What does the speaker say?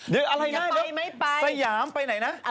เดี๋ยวอะไรนะสยามไปไหนนะ